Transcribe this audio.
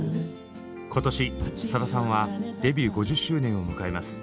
今年さださんはデビュー５０周年を迎えます。